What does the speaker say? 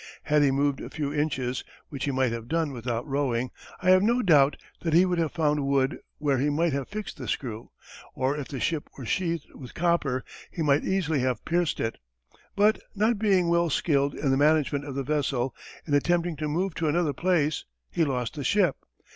Had he moved a few inches, which he might have done without rowing, I have no doubt but he would have found wood where he might have fixed the screw, or if the ship were sheathed with copper he might easily have pierced it; but, not being well skilled in the management of the vessel, in attempting to move to another place he lost the ship.